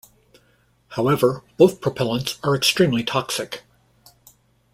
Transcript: However, both propellants are extremely toxic.